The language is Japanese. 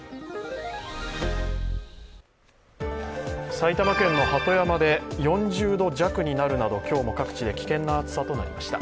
埼玉県の鳩山で４０度弱になるなど今日も各地で危険な暑さとなりました。